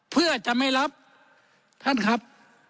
เพื่อจะไม่รับท่านครับ